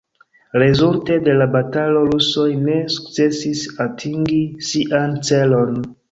Rezulte de la batalo rusoj ne sukcesis atingi sian celon.